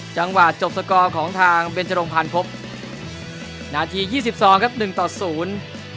จังหวะจบสกอร์ของทางเบนจรงพันธ์พบนาทียี่สิบสองครับหนึ่งต่อศูนย์